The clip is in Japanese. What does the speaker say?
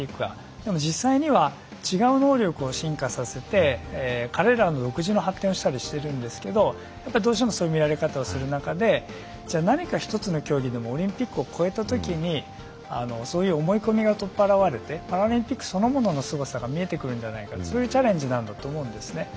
でも実際には違う能力を進化させて彼らの独自の発展をしたりしているんですがどうしてもそういう見られ方をする中で何か一つの競技でもオリンピックを超えたときにそういう思い込みが取っ払われてパラリンピックそのものの姿が見えてくるんじゃないかとそういうチャレンジだと思うんです。